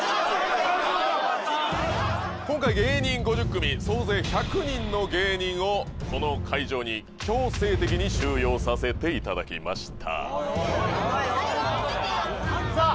今回芸人５０組総勢１００人の芸人をこの会場に強制的に収容させていただきましたさあ